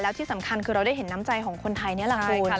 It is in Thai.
ที่สำคัญคือเราได้เห็นน้ำใจของคนไทยนี่แหละคุณ